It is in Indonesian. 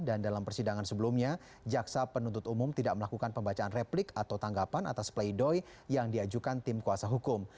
dan dalam persidangan sebelumnya jaksa penuntut umum tidak melakukan pembacaan replik atau tanggapan atas play doy yang diajukan tim kuasa hukum